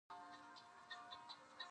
د اسماعیل شاهد خبره څوک یې تپوس کوي